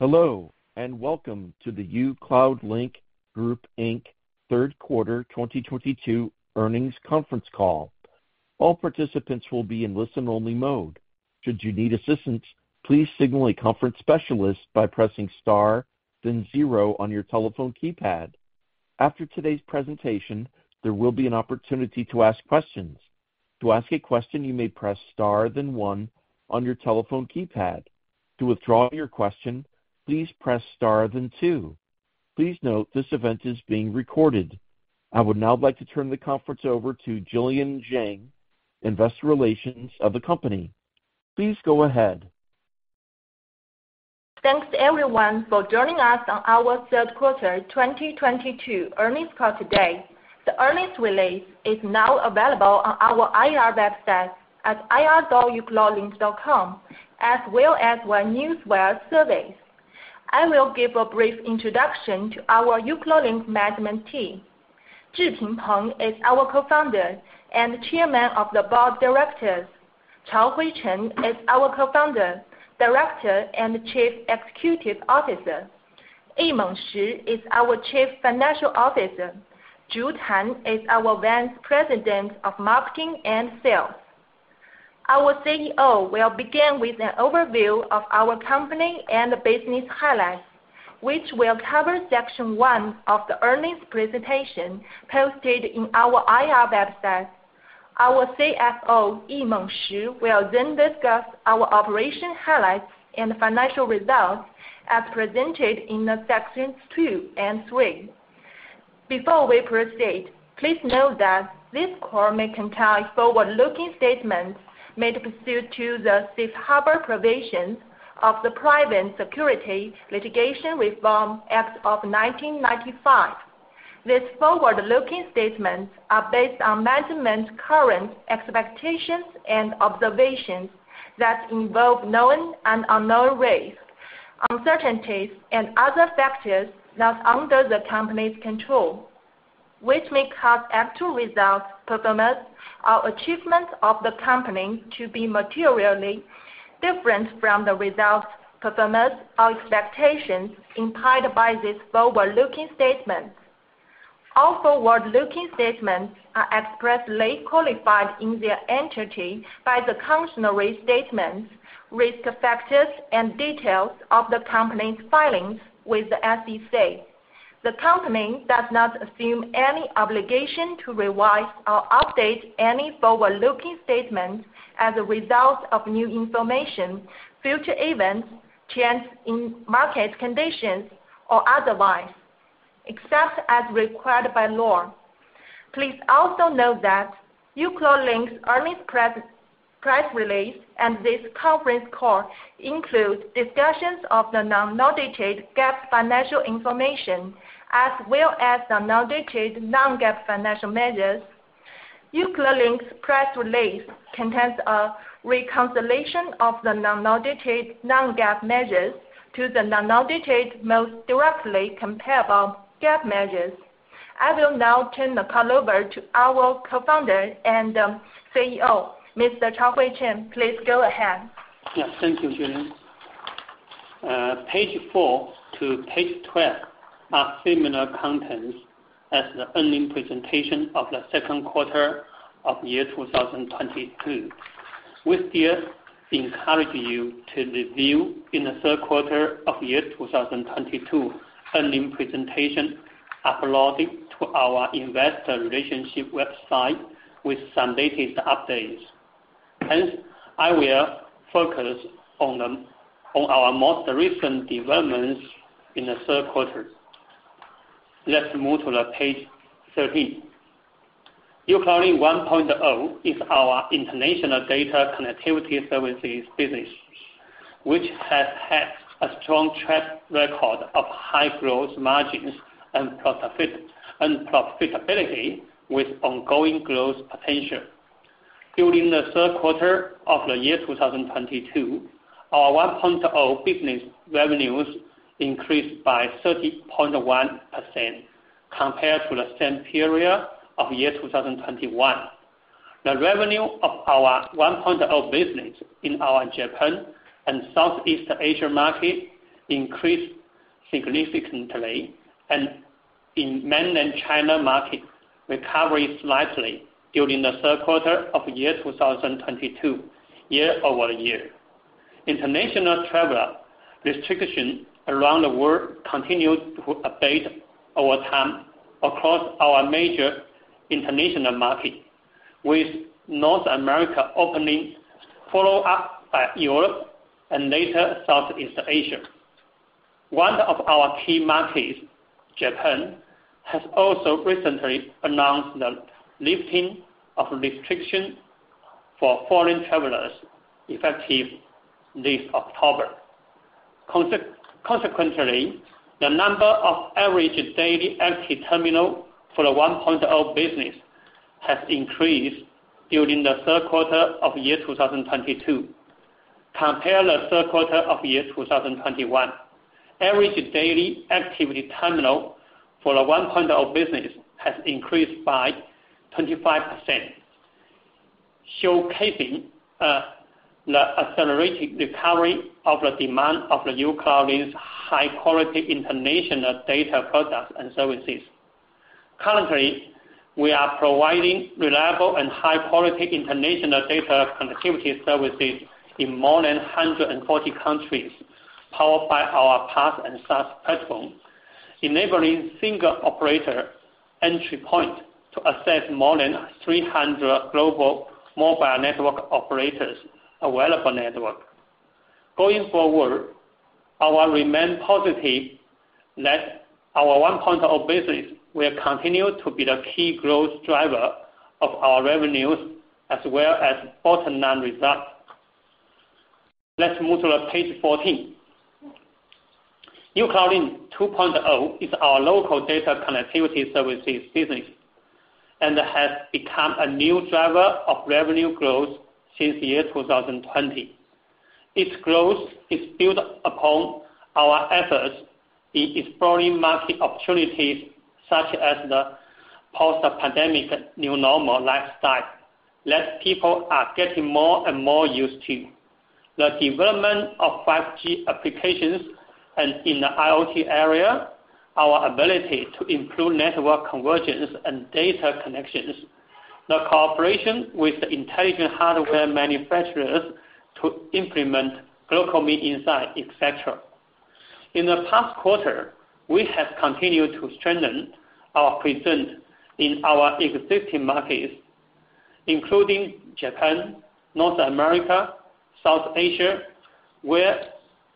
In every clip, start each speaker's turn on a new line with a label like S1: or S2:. S1: Hello, and welcome to the uCloudlink Group Inc. third quarter 2022 earnings conference call. All participants will be in listen only mode. Should you need assistance, please signal a conference specialist by pressing star then zero on your telephone keypad. After today's presentation, there will be an opportunity to ask questions. To ask a question, you may press star then one on your telephone keypad. To withdraw your question, please press star then two. Please note this event is being recorded. I would now like to turn the conference over to Jillian Zeng, Investor Relations of the company. Please go ahead.
S2: Thanks everyone for joining us on our third quarter 2022 earnings call today. The earnings release is now available on our IR website at ir dot ucloudlink dot com, as well as our Newswire service. I will give a brief introduction to our uCloudlink management team. Zhiping Peng is our Co-Founder and Chairman of the Board of Directors. Chaohui Chen is our Co-Founder, Director, and Chief Executive Officer. Yimeng Shi is our Chief Financial Officer. Zhu Tan is our Vice President of Marketing and Sales. Our CEO will begin with an overview of our company and the business highlights, which will cover section one of the earnings presentation posted in our IR website. Our CFO, Yimeng Shi, will then discuss our operational highlights and financial results as presented in the sections two and three. Before we proceed, please note that this call may contain forward-looking statements made pursuant to the safe harbor provisions of the Private Securities Litigation Reform Act of 1995. These forward-looking statements are based on management's current expectations and observations that involve known and unknown risks, uncertainties and other factors not under the company's control, which may cause actual results, performance or achievements of the company to be materially different from the results, performance or expectations implied by these forward-looking statements. All forward-looking statements are expressly qualified in their entirety by the cautionary statements, risk factors, and details of the company's filings with the SEC. The company does not assume any obligation to revise or update any forward-looking statements as a result of new information, future events, trends in market conditions, or otherwise, except as required by law. Please also note that uCloudlink's earnings press release and this conference call include discussions of the unaudited GAAP financial information, as well as the unaudited non-GAAP financial measures. uCloudlink's press release contains a reconciliation of the unaudited non-GAAP measures to the unaudited most directly comparable GAAP measures. I will now turn the call over to our Co-founder and CEO, Mr. Chaohui Chen. Please go ahead.
S3: Yes, thank you, Jillian. Pages 4- page 12 are similar contents as the earnings presentation of the second quarter of 2022. We still encourage you to review in the third quarter of 2022 earnings presentation uploaded to our investor relations website with some latest updates. Hence, I will focus on our most recent developments in the third quarter. Let's move to page 13. uCloudlink 1.0 is our international data connectivity services business, which has had a strong track record of high growth margins and profitability with ongoing growth potential. During the third quarter of 2022, our 1.0 business revenues increased by 30.1% compared to the same period of 2021. The revenue of our 1.0 business in our Japan and Southeast Asia market increased significantly, and in Mainland China market recovered slightly during the third quarter of 2022, year-over-year. International travel restriction around the world continued to abate over time across our major international markets, with North America opening, followed up by Europe and later Southeast Asia. One of our key markets, Japan, has also recently announced the lifting of restrictions for foreign travelers effective this October. Consequently, the number of average daily active terminals for the 1.0 business has increased during the third quarter of 2022. Compared to the third quarter of 2021, average daily active terminals for the 1.0 business has increased by 25%. Showcasing the accelerated recovery of the demand of the uCloudlink's high-quality international data products and services. Currently, we are providing reliable and high-quality international data connectivity services in more than 140 countries, powered by our PaaS and SaaS platform, enabling single operator entry point to access more than 300 global mobile network operators available network. Going forward, I will remain positive that our 1.0 business will continue to be the key growth driver of our revenues as well as bottom line results. Let's move to page 14. uCloudlink 2.0 is our local data connectivity services business, and has become a new driver of revenue growth since the year 2020. Its growth is built upon our efforts in exploring market opportunities such as the post-pandemic new normal lifestyle that people are getting more and more used to. The development of 5G applications and in the IoT area, our ability to improve network convergence and data connections. The cooperation with the intelligent hardware manufacturers to implement GlocalMe Inside, et cetera. In the past quarter, we have continued to strengthen our presence in our existing markets, including Japan, North America, South Asia, where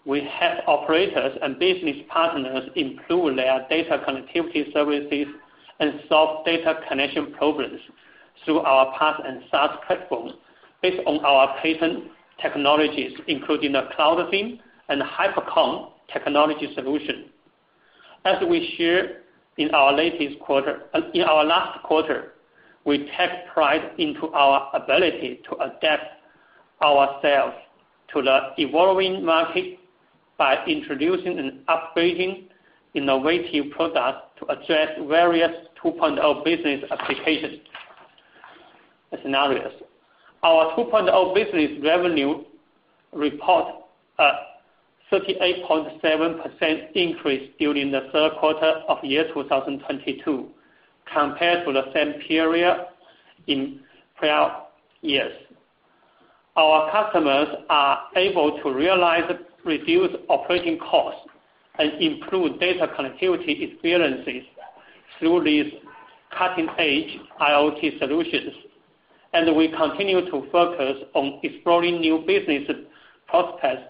S3: we help operators and business partners improve their data connectivity services and solve data connection problems through our PaaS and SaaS platforms based on our patent technologies including the CloudSIM and HyperConn technology solution. As we share in our last quarter, we take pride into our ability to adapt ourselves to the evolving market by introducing and upgrading innovative products to address various 2.0 business applications scenarios. Our 2.0 business revenue report a 38.7% increase during the third quarter of 2022 compared to the same period in prior years. Our customers are able to realize reduced operating costs and improve data connectivity experiences through these cutting-edge IoT solutions. We continue to focus on exploring new business prospects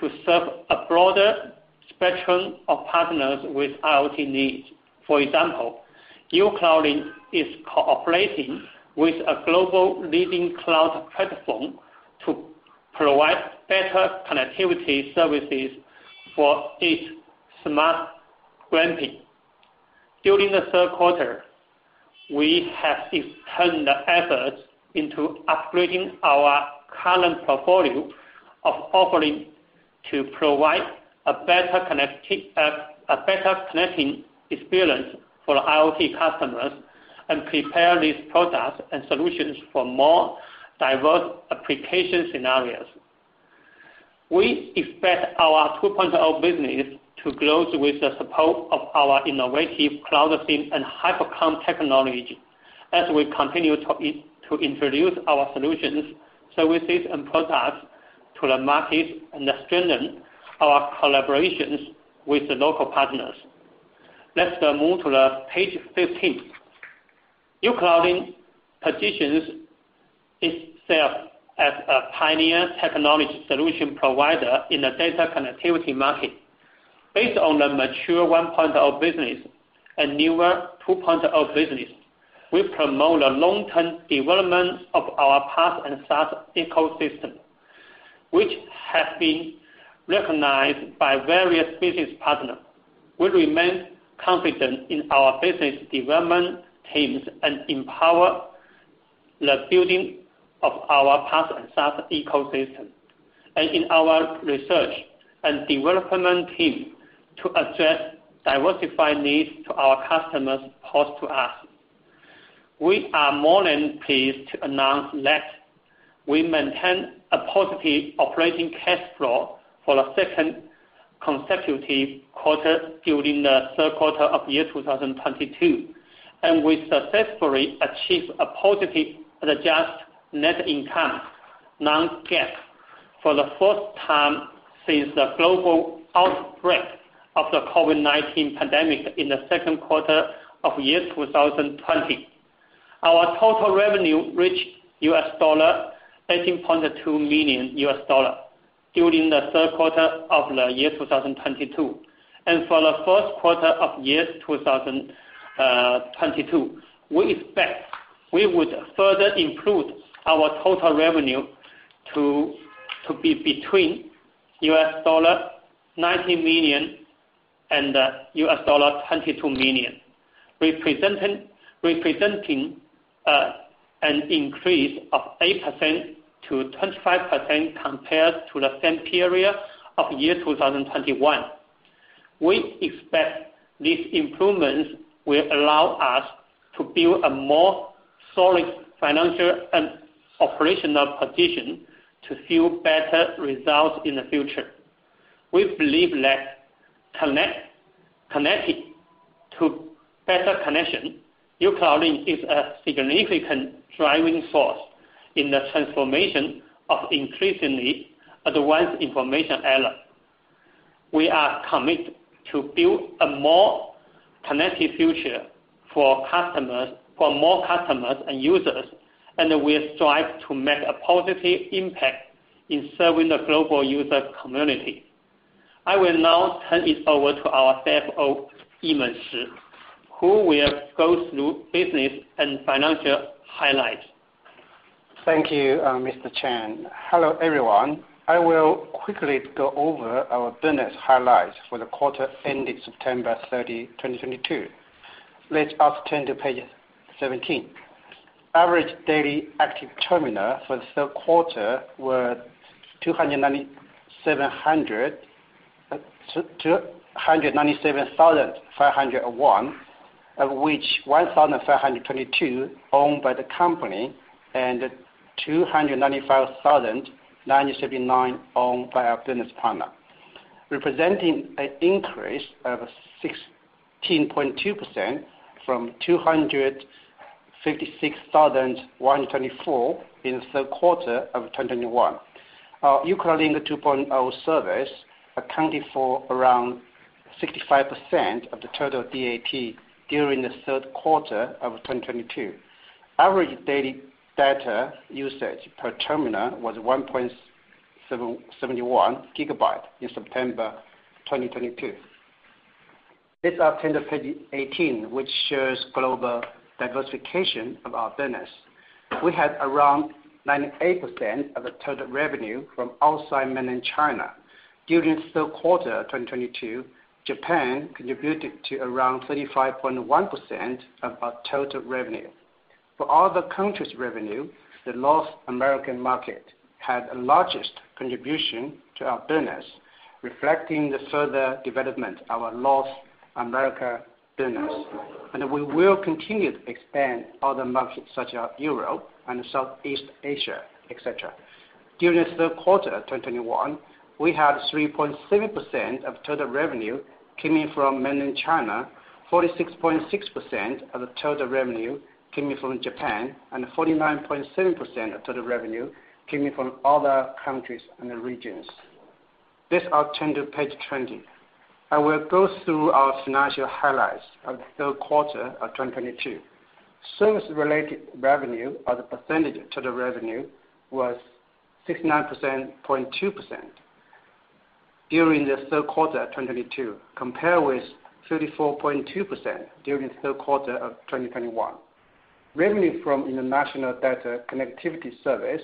S3: to serve a broader spectrum of partners with IoT needs. For example, uCloudlink is cooperating with a global leading cloud platform to provide better connectivity services for its smart farming. During the third quarter, we have extended efforts into upgrading our current portfolio of offering to provide a better connecting experience for IoT customers and prepare these products and solutions for more diverse application scenarios. We expect our 2.0 business to close with the support of our innovative CloudSIM and HyperConn technology as we continue to introduce our solutions, services, and products to the market and strengthen our collaborations with the local partners. Let's move to page 15. uCloudlink positions itself as a pioneer technology solution provider in the data connectivity market. Based on the mature 1.0 business and newer 2.0 business, we promote the long-term development of our PaaS and SaaS ecosystem, which has been recognized by various business partners. We remain confident in our business development teams and empower the building of our PaaS and SaaS ecosystem, and in our research and development team to address diversified needs to our customers posed to us. We are more than pleased to announce that we maintain a positive operating cash flow for the second consecutive quarter during the third quarter of the year 2022, and we successfully achieved a positive adjusted net income, non-GAAP, for the first time since the global outbreak of the COVID-19 pandemic in the second quarter of year 2020. Our total revenue reached $18.2 million during the third quarter of 2022. For the fourth quarter of 2022, we expect we would further improve our total revenue to be between $19 million and $22 million. Representing an increase of 8%-25% compared to the same period of 2021. We expect these improvements will allow us to build a more solid financial and operational position to fuel better results in the future. We believe that connecting to better connection, uCloudlink is a significant driving force in the transformation of increasingly advanced information era. We are committed to build a more connected future for more customers and users, and we strive to make a positive impact in serving the global user community. I will now turn it over to our CFO, Yimeng Shi, who will go through business and financial highlights.
S4: Thank you, Mr. Chen. Hello, everyone. I will quickly go over our business highlights for the quarter ending September 30, 2022. Let's now turn to page 17. Average daily active terminals for the third quarter were 297,501, of which 1,522 owned by the company and 295,979 owned by our business partner, representing an increase of 16.2% from 256,124 in the third quarter of 2021. Our uCloudlink 2.0 service accounted for around 65% of the total DAT during the third quarter of 2022. Average daily data usage per terminal was 1.771 GB in September 2022. Let's now turn to page 18, which shows global diversification of our business. We had around 98% of the total revenue from outside Mainland China. During the third quarter of 2022, Japan contributed to around 35.1% of our total revenue. For other countries' revenue, the North American market had the largest contribution to our business, reflecting the further development of our North America business. We will continue to expand other markets such as Europe and Southeast Asia, et cetera. During the third quarter of 2021, we had 3.3% of total revenue coming from Mainland China, 46.6% of the total revenue coming from Japan, and 49.7% of total revenue coming from other countries and regions. Let's now turn to page 20. I will go through our financial highlights of the third quarter of 2022. Service-related revenue as a percentage of total revenue was 69.2% during the third quarter of 2022, compared with 34.2% during the third quarter of 2021. Revenue from international data connectivity service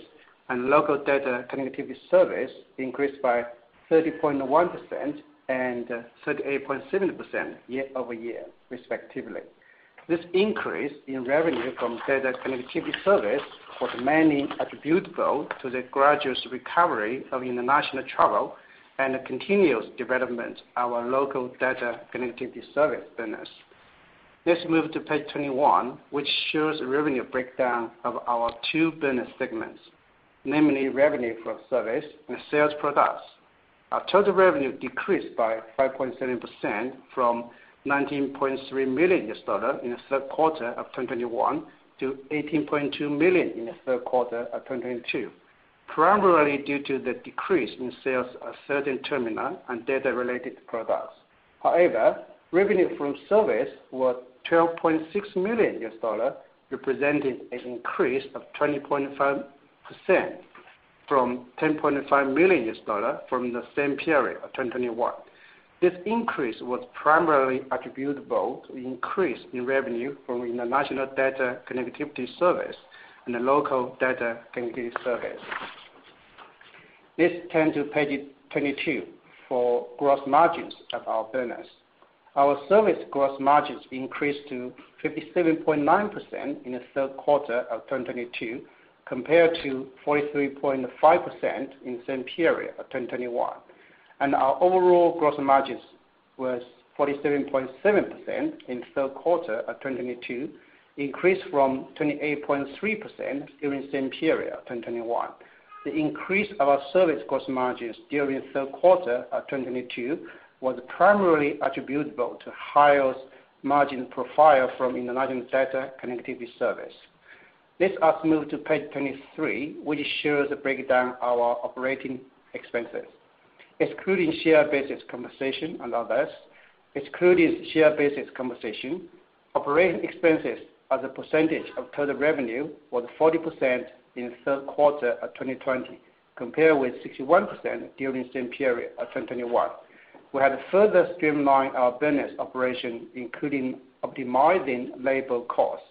S4: and local data connectivity service increased by 30.1% and 38.7% year-over-year, respectively. This increase in revenue from data connectivity service was mainly attributable to the gradual recovery of international travel and the continuous development of our local data connectivity service business. Let's move to page 21, which shows the revenue breakdown of our two business segments, namely revenue for service and sales products. Our total revenue decreased by 5.7% from $19.3 million in the third quarter of 2021 to $18.2 million in the third quarter of 2022, primarily due to the decrease in sales of certain terminal and data-related products. However, revenue from service was $12.6 million, representing an increase of 20.5% from $10.5 million from the same period of 2021. This increase was primarily attributable to increase in revenue from international data connectivity service and the local data connectivity service. Let's turn to page 22 for gross margins of our business. Our service gross margins increased to 57.9% in the third quarter of 2022 compared to 43.5% in the same period of 2021. Our overall gross margins was 47.7% in the third quarter of 2022, increased from 28.3% during the same period of 2021. The increase of our service gross margins during the third quarter of 2022 was primarily attributable to higher margin profile from international data connectivity service. Let us move to page 23, which shows the breakdown of our operating expenses, excluding share-based compensation and others. Excluding share-based compensation, operating expenses as a percentage of total revenue was 40% in the third quarter of 2020, compared with 61% during the same period of 2021. We have further streamlined our business operations, including optimizing labor costs,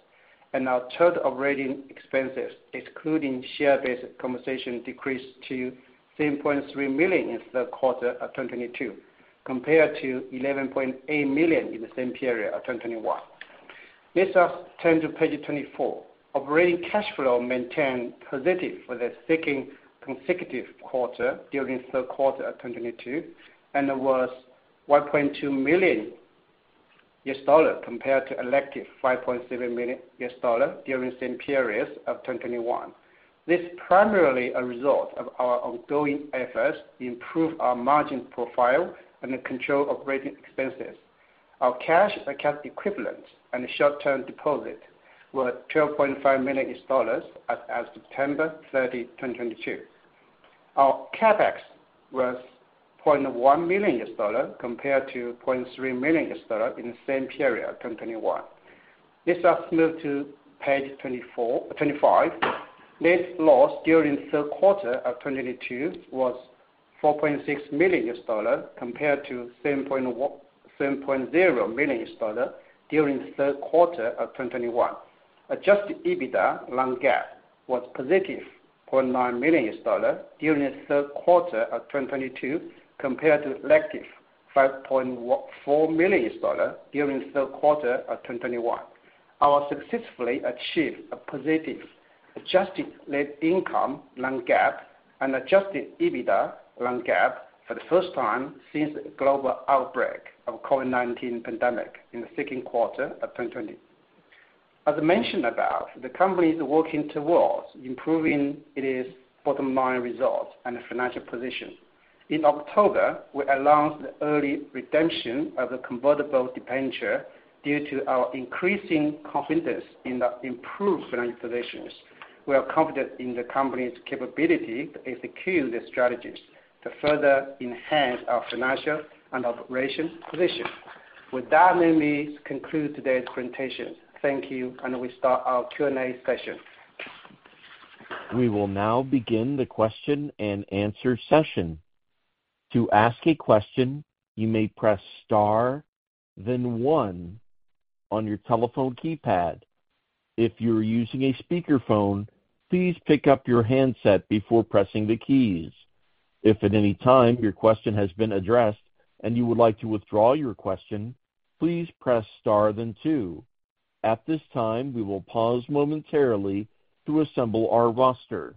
S4: and our total operating expenses, excluding share-based compensation, decreased to $7.3 million in the third quarter of 2022, compared to $11.8 million in the same period of 2021. Next slide, turn to page 24. Operating cash flow maintained positive for the second consecutive quarter during third quarter of 2022, and was $1.2 million compared to a negative $5.7 million during the same period of 2021. This is primarily a result of our ongoing efforts to improve our margin profile and control operating expenses. Our cash and cash equivalents and short-term deposits were $12.5 million as of September 30, 2022. Our CapEx was $0.1 million compared to $0.3 million in the same period, 2021. Next slide, move to page 25. Net loss during third quarter of 2022 was $4.6 million compared to $7.0 million during third quarter of 2021. Adjusted EBITDA non-GAAP was $0.9 million during the third quarter of 2022 compared to negative $4 million during third quarter of 2021. We successfully achieved a positive adjusted net income non-GAAP and adjusted EBITDA non-GAAP for the first time since the global outbreak of COVID-19 pandemic in the second quarter of 2020. As I mentioned about, the company is working towards improving its bottom line results and financial position. In October, we announced the early redemption of the convertible debenture due to our increasing confidence in the improved financial position. We are confident in the company's capability to execute the strategies to further enhance our financial and operational position. With that, let me conclude today's presentation. Thank you, and we start our Q&A session.
S1: We will now begin the question and answer session. To ask a question, you may press star then one on your telephone keypad. If you're using a speakerphone, please pick up your handset before pressing the keys. If at any time your question has been addressed and you would like to withdraw your question, please press star then two. At this time, we will pause momentarily to assemble our roster.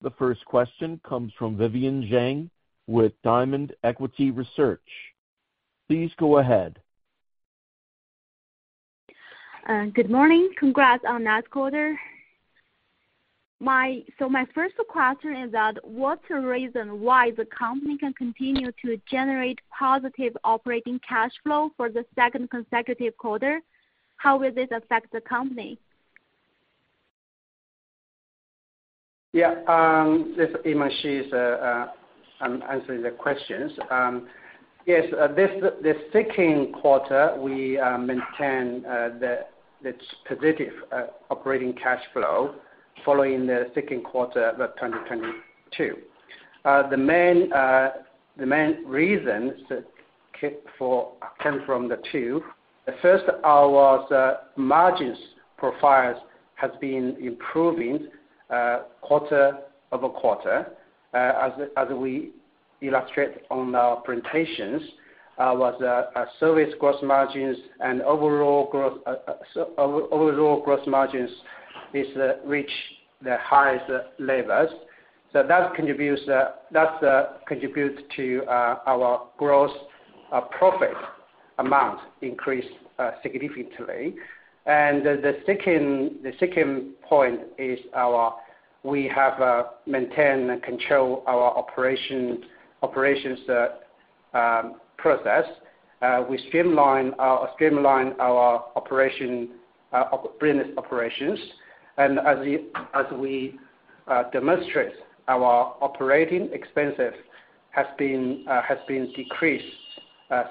S1: The first question comes from Vivian Zhang with Diamond Equity Research. Please go ahead.
S5: Good morning. Congrats on that quarter. My first question is that what's the reason why the company can continue to generate positive operating cash flow for the second consecutive quarter? How will this affect the company?
S4: Yeah. This is Yimeng Shi, I'm answering the questions. Yes, this second quarter, we maintain this positive operating cash flow following the second quarter of 2022. The main reasons that came from the two. The first was, margin profiles has been improving quarter-over-quarter, as we illustrate on our presentations, our service gross margins and overall gross, overall gross margins is reach the highest levels. That contributes to our gross profit amount increase significantly. The second point is our, we have maintained and control our operations process. We streamline our operations. As we demonstrate, our operating expenses has been decreased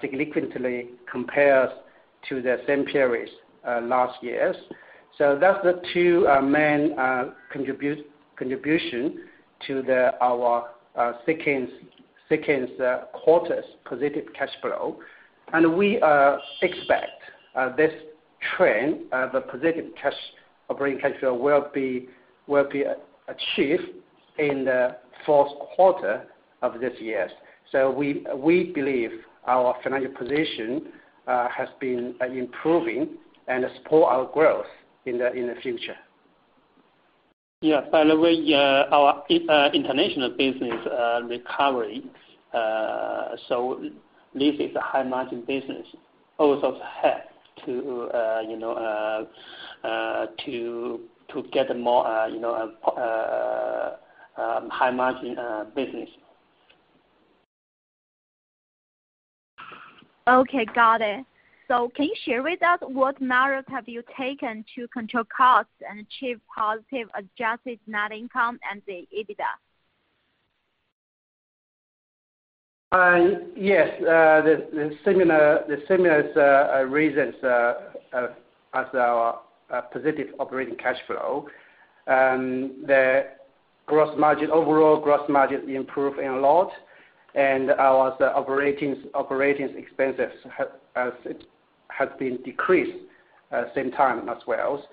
S4: significantly compared to the same periods last years. That's the two main contribution to our second quarter's positive cash flow. We expect this trend, the positive operating cash flow will be achieved in the fourth quarter of this year. We believe our financial position has been improving and support our growth in the future.
S3: Yeah. By the way, our international business recovery. This is a high-margin business, also help to, you know, to get more, you know, high-margin business.
S5: Okay. Got it. Can you share with us what measures have you taken to control costs and achieve positive adjusted net income and the EBITDA?
S4: Yes. The similar reasons as our positive operating cash flow. The gross margin overall improved a lot, and our operating expenses have been decreased at the same time as well.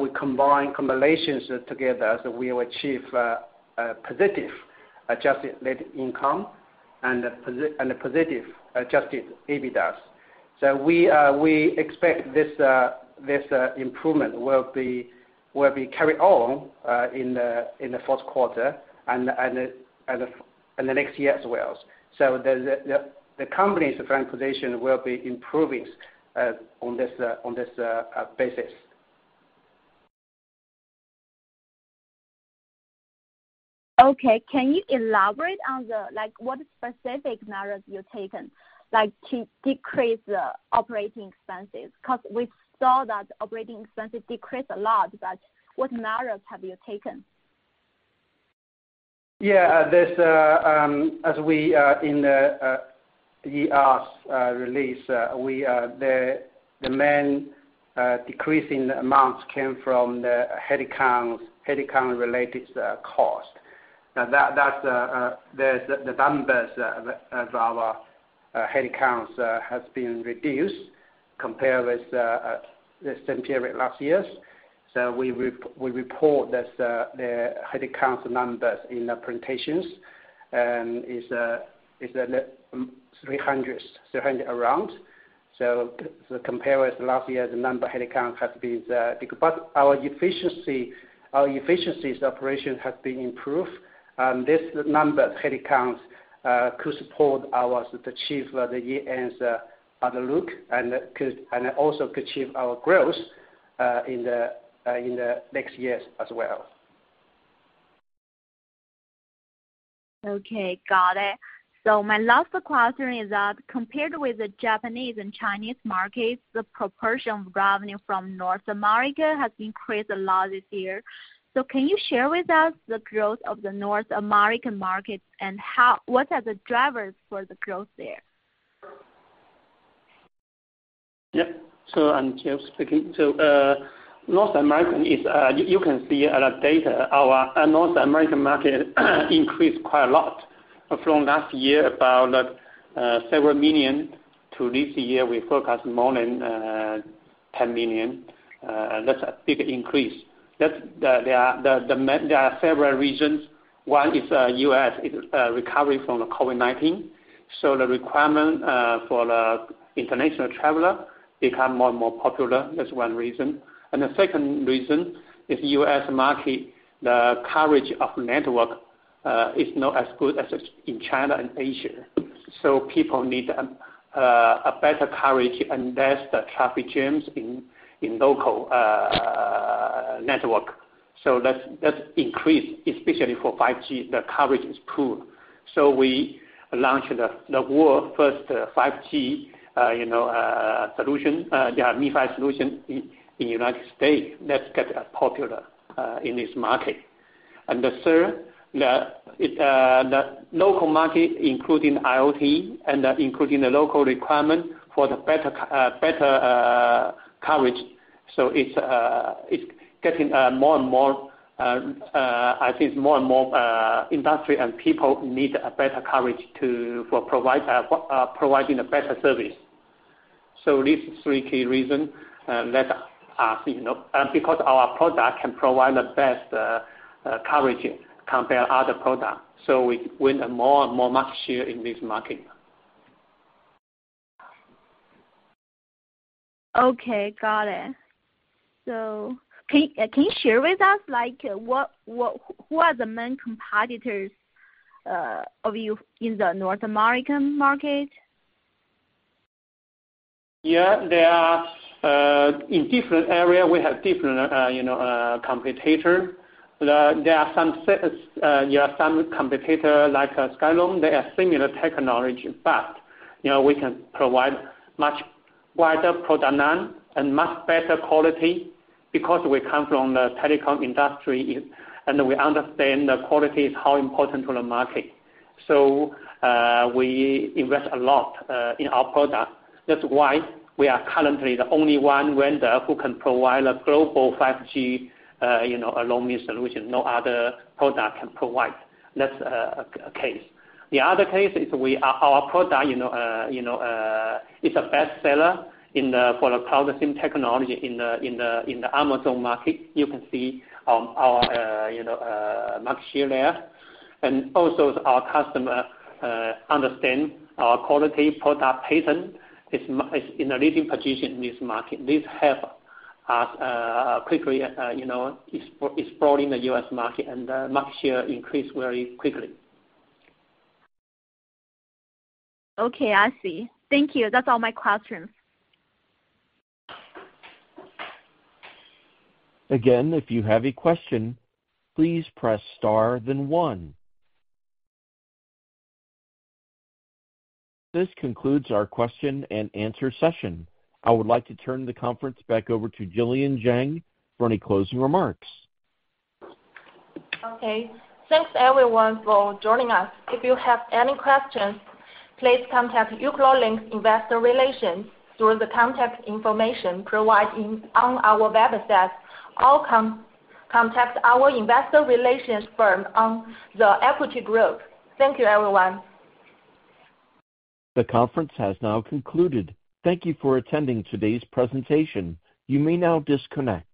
S4: We combine combinations together, we will achieve a positive adjusted net income.
S3: A positive adjusted EBITDA. We expect this improvement will be carry on in the fourth quarter and the next year as well. The company's financial position will be improving on this basis.
S5: Okay. Can you elaborate on like what specific measures you've taken, like to decrease the operating expenses? 'Cause we saw that operating expenses decreased a lot, but what measures have you taken?
S3: Yeah. There is, as we in the earnings release, the main decrease in amounts came from the headcount-related costs. Now that's the numbers of our headcounts has been reduced compared with the same period last year. We report that the headcount numbers in the presentations is around 300. Compare with last year, the number of headcount has been decreased. Our efficiency, our operational efficiencies has been improved. This number of headcounts could support us to achieve the year-end outlook and also could achieve our growth in the next years as well.
S5: Okay, got it. My last question is that, compared with the Japanese and Chinese markets, the proportion of revenue from North America has increased a lot this year. Can you share with us the growth of the North American markets and what are the drivers for the growth there?
S3: Yeah. I'm Charles speaking. North America is, you can see in our data, our North American market increased quite a lot. From last year, about several million to this year, we forecast more than 10 million. That's a big increase. There are several reasons. One is U.S. is recovering from the COVID-19, so the requirement for the international traveler become more and more popular. That's one reason. The second reason is U.S. market, the coverage of network is not as good as it is in China and Asia. People need a better coverage, and thus the traffic jams in local network. That's increased especially for 5G, the coverage is poor. We launched the world-first 5G solution MiFi solution in United States. That got popular in this market. The third the local market including IoT and including the local requirement for the better coverage. It's getting more and more, I think more and more, industry and people need a better coverage for providing a better service. These three key reason let us because our product can provide the best coverage compare other product. We win a more and more market share in this market.
S5: Okay, got it. Can you share with us like who are the main competitors of you in the North American market?
S3: Yeah. There are in different area we have different competitor. There are some we have some competitor like Skyroam. They are similar technology, but you know we can provide much wider product line and much better quality because we come from the telecom industry, and we understand the quality is how important to the market. So we invest a lot in our product. That's why we are currently the only one vendor who can provide a global 5G roaming solution. No other product can provide. That's a case. The other case is our product is a bestseller for the CloudSIM technology in the Amazon market. You can see our market share there. Also our customer understand our quality product patent is in a leading position in this market. This help us quickly, you know, exploring the U.S. market and the market share increased very quickly.
S5: Okay, I see. Thank you. That's all my questions.
S1: Again, if you have a question, please press star then one. This concludes our question and answer session. I would like to turn the conference back over to Jillian Zeng for any closing remarks.
S2: Okay. Thanks everyone for joining us. If you have any questions, please contact uCloudlink Investor Relations through the contact information provided on our website, or contact our investor relations firm The Equity Group. Thank you, everyone.
S1: The conference has now concluded. Thank you for attending today's presentation. You may now disconnect.